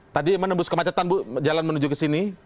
tadi menembus kemacetan bu jalan menuju ke sini